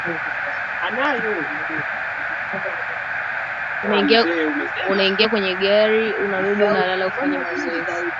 unaingia kwenye gari unarudi una lala hufanyi mazoezi